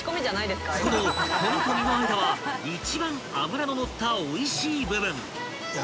［この骨と身の間は一番脂の乗ったおいしい部分］